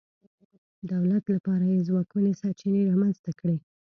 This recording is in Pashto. دولت لپاره یې ځواکمنې سرچینې رامنځته کړې.